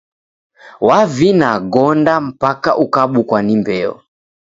Wavina gonda mpaka ukabukwa ni mbeo.